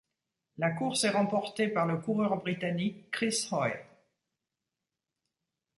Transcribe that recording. La course est remportée par le coureur britannique Chris Hoy.